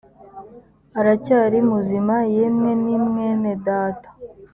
aracyari muzima yemwe ni mwene data